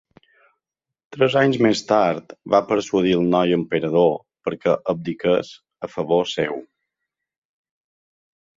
Tres anys més tard, va persuadir el noi emperador perquè abdiqués a favor seu.